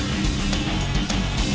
lu kenapa yan